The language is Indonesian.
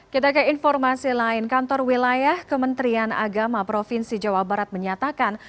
kita ke informasi lain kantor wilayah kementerian agama provinsi jawa barat menyatakan